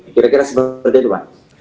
kira kira seperti itu pak